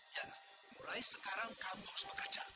ya mulai sekarang kamu harus bekerja